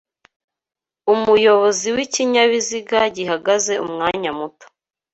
Umuyobozi w' ikinyabiziga gihagaze umwanya muto